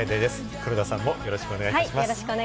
黒田さんもよろしくお願いいたします。